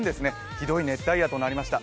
ひどい熱帯夜となりました。